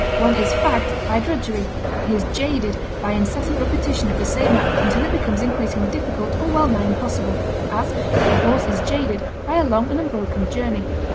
One is fagged by drudgery; he is jaded by incessant repetition of the same act until it becomes increasingly difficult or well nigh impossible; as, a horse is jaded by a long and unbroken journey.